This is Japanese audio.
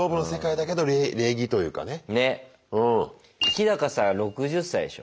ヒダカさん６０歳でしょ？